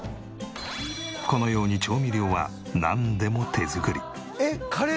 このように調味料はなんでも手作り。